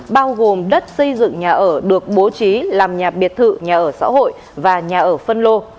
bao gồm đất xây dựng nhà ở được bố trí làm nhà biệt thự nhà ở xã hội và nhà ở phân lô